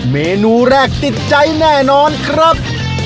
เมนูแรกติดใจแน่นอนครับ